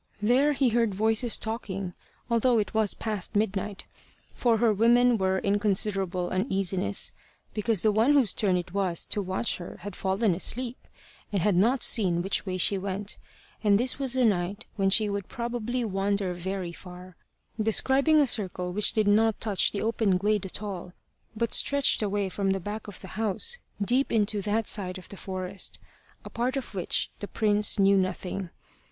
There he heard voices talking, although it was past midnight; for her women were in considerable uneasiness, because the one whose turn it was to watch her had fallen asleep, and had not seen which way she went, and this was a night when she would probably wander very far, describing a circle which did not touch the open glade at all, but stretched away from the back of the house, deep into that side of the forest a part of which the prince knew nothing.